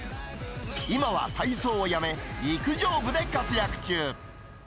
今は体操をやめ、陸上部で活躍中。